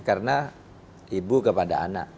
karena ibu kepada anak